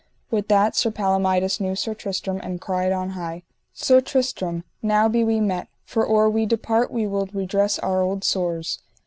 With that Sir Palomides knew Sir Tristram, and cried on high: Sir Tristram, now be we met, for or we depart we will redress our old sores.